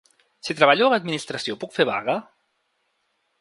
Si treballo a l'administració puc fer vaga?